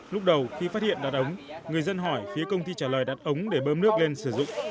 lúc đầu khi phát hiện đặt ống người dân hỏi phía công ty trả lời đặt ống để bơm nước lên sử dụng